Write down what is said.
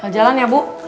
jalan ya bu